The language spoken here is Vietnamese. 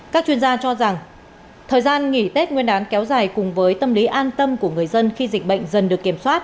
các chuyên gia cho rằng thời gian nghỉ tết nguyên đán kéo dài cùng với tâm lý an tâm của người dân khi dịch bệnh dần được kiểm soát